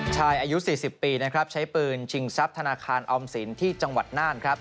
อายุ๔๐ปีนะครับใช้ปืนชิงทรัพย์ธนาคารออมสินที่จังหวัดน่านครับ